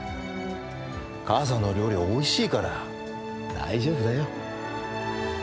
母さんの料理はおいしいから、大丈夫だよ。